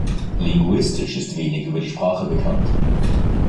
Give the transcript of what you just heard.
Linguistisch ist wenig über die Sprache bekannt.